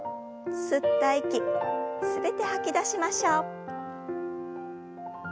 吸った息全て吐き出しましょう。